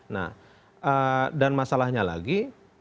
nah dan masalahnya lagi